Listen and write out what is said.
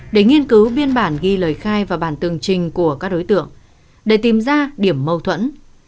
để nghiên cứu biên bản ghi lời khai và bản tường trình của các đối tượng để tìm ra điểm mâu thuẫn